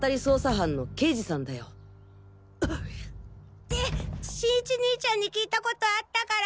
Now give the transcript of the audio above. って新一にいちゃんに聞いたことあったから。